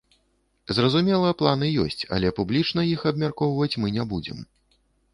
Зразумела, планы ёсць, але публічна іх абмяркоўваць мы не будзем.